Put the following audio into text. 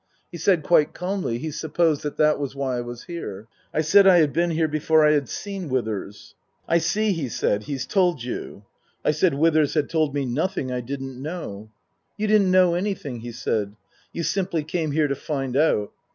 He said quite calmly he supposed that was why I was here. I said I had been here before I had seen Withers. " I see/' he said. " He's told you." I said Withers had told me nothing I didn't know. " You didn't know anything," he said. " You simply came here to find out."